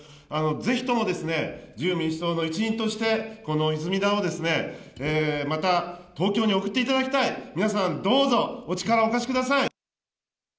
ぜひとも自由民主党の一員として、この泉田をですね、また東京に送っていただきたい、皆さん、どうぞお力をお貸しください。